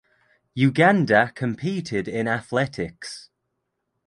Uganda competed in athletics.